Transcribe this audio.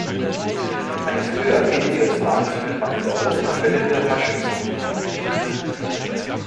Eine frühe Erwähnung ihres Namens findet man in der Roten Kapelle der Hatschepsut.